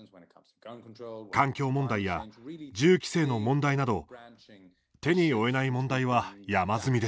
環境問題や銃規制の問題など手に負えない問題は山積みです。